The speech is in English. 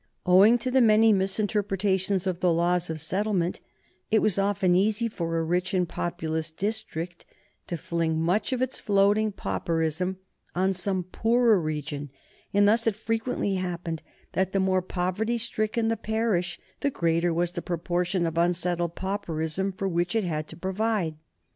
Owing to the many misinterpretations of the laws of settlement it was often easy for a rich and populous district to fling much of its floating pauperism on some poorer region, and thus it frequently happened that the more poverty stricken the parish the greater was the proportion of unsettled pauperism for which it had to provide.